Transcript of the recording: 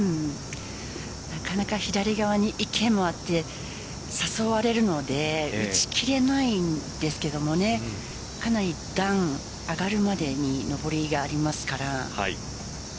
なかなか左側に池もあって誘われるので打ち切れないんですけどかなり段上がるまでに上りがありますから。